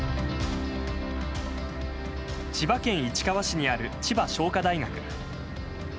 千葉県市川市にある千葉商科大学。